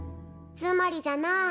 つまりじゃなあ